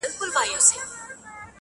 دا بلي ډېوې مړې که زما خوبونه تښتوي،